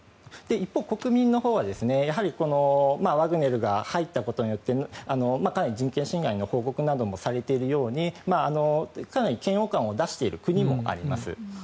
一方、国民のほうはワグネルが入ったことによってかなり人権侵害の報告などもされているようにかなり嫌悪感を出している国もあります。